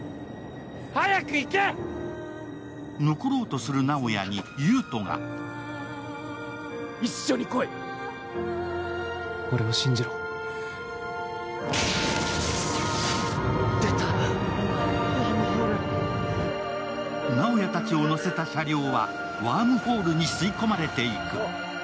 残ろうとする直哉に優斗が直哉たちを乗せた車両はワームホールに吸い込まれていく。